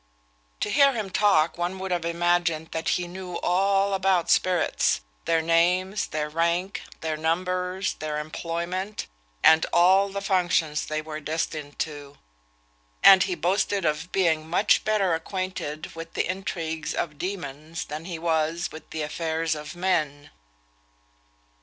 To hear him talk, one would have imagined that he knew all about spirits, their names, their rank, their numbers, their employment, and all the functions they were destined to; and he boasted of being much better acquainted with the intrigues of demons than he was with the affairs of men.